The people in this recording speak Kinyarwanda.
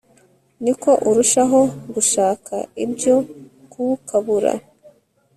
ni ko urushaho gushaka ibyo kuwukabura